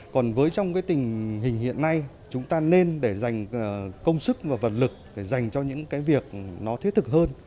còn với trong cái tình hình hiện nay chúng ta nên để dành công sức và vận lực để dành cho những cái việc nó thiết thực hơn